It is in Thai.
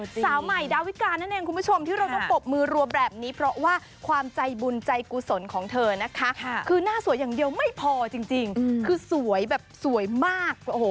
สาวใหม่ดาวิกานั่นเองคุณผู้ชมที่เราต้องปรบมือรัวแบบนี้เพราะว่าความใจบุญใจกุศลของเธอนะคะคือหน้าสวยอย่างเดียวไม่พอจริงคือสวยแบบสวยมากโอ้โห